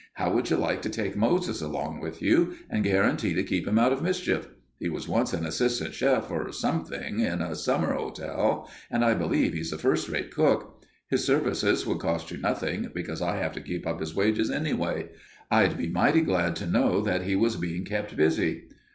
How would you like to take Moses along with you, and guarantee to keep him out of mischief? He was once an assistant chef or something in a summer hotel, and I believe he's a first rate cook. His services would cost you nothing, because I have to keep up his wages anyway. I'd be mighty glad to know that he was being kept busy."